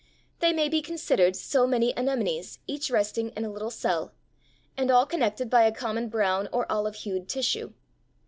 They may be considered so many anemones, each resting in a little cell, and all connected by a common brown or olive hued tissue.